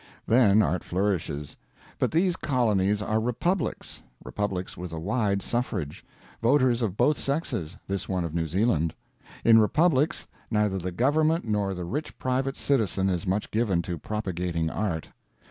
Then art flourishes. But these colonies are republics republics with a wide suffrage; voters of both sexes, this one of New Zealand. In republics, neither the government nor the rich private citizen is much given to propagating art.